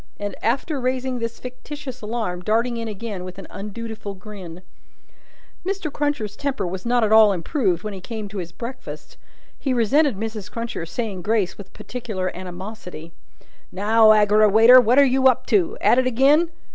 and, after raising this fictitious alarm, darting in again with an undutiful grin. Mr. Cruncher's temper was not at all improved when he came to his breakfast. He resented Mrs. Cruncher's saying grace with particular animosity. "Now, Aggerawayter! What are you up to? At it again?"